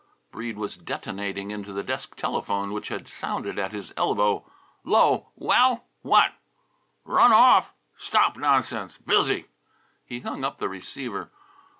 Breede was detonating into the desk telephone which had sounded at his elbow. "'Lo! Well? What? Run off! Stop nonsense! Busy!" He hung up the receiver.